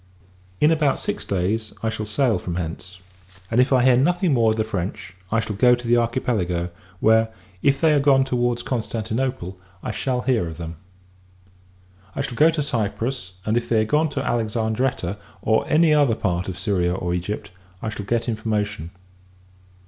In about six days, I shall sail from hence: and, if I hear nothing more of the French, I shall go to the Archipelago; where, if they are gone towards Constantinople, I shall hear of them. I shall go to Cyprus; and, if they are gone to Alexandretta, or any other part of Syria or Egypt, I shall get information.